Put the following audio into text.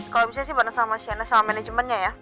kalau bisa sih bareng sama shane sama manajemennya ya